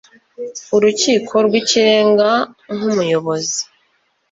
urukiko rw ikirenga nk umuyobozi